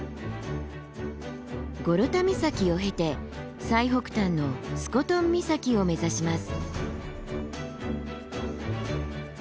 ゴロタ岬を経て最北端のスコトン岬を目指します。